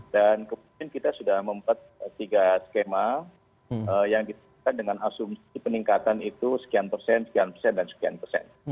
dan kemudian kita sudah membuat tiga skema yang kita lakukan dengan asumsi peningkatan itu sekian persen sekian persen dan sekian persen